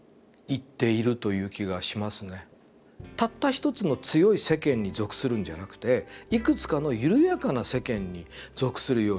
たった一つの強い世間に属するんじゃなくていくつかの緩やかな世間に属するようにしませんかっていうのが僕の提案です。